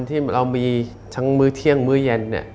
ที่เรามีทั้งมื้อเที่ยงมื้อเย็น